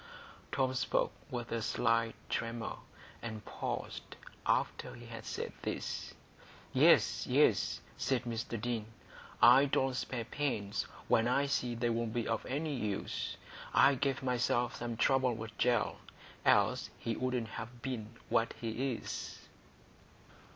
Tom spoke with a slight tremor, and paused after he had said this. "Yes, yes," said Mr Deane. "I don't spare pains when I see they'll be of any use. I gave myself some trouble with Gell, else he wouldn't have been what he is."